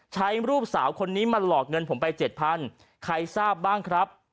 ใช้รูปสาวคนนี้มาหลอกเงินผมไปเจ็ดพันใครทราบบ้างครับ